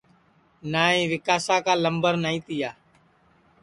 نائی ویکاسا کا لمبر نائی تیا